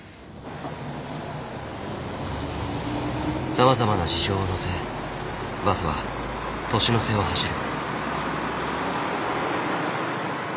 さまざまな事情を乗せバスは年の瀬を走る。